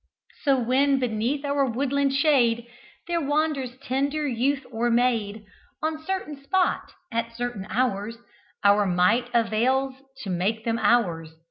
So, when beneath our woodland shade There wanders tender youth or maid, On certain spot at certain hours Our might avails to make them ours.